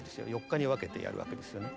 ４日に分けてやるわけですよね。